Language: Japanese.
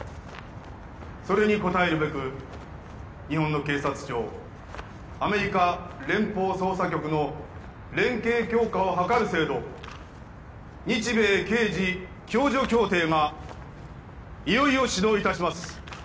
それに応えるべく日本の警察庁アメリカ連邦捜査局の連携強化を図る制度日米刑事共助協定がいよいよ始動いたします